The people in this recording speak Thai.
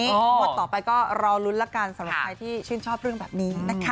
งวดต่อไปก็รอลุ้นละกันสำหรับใครที่ชื่นชอบเรื่องแบบนี้นะคะ